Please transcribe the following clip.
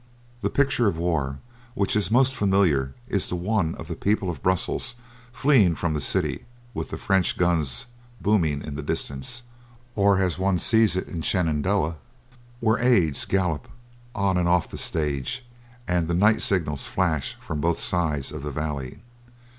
The picture of war which is most familiar is the one of the people of Brussels fleeing from the city with the French guns booming in the distance, or as one sees it in "Shenandoah," where aides gallop on and off the stage and the night signals flash from both sides of the valley.